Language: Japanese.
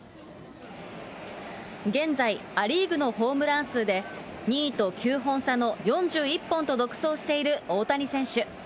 現在、ア・リーグのホームラン数で２位と９本差の４１本と独走している大谷選手。